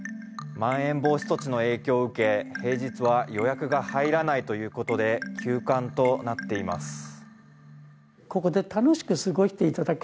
まん延防止措置の影響を受け平日は予約が入らないということで休館となっています。